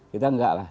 kita enggak lah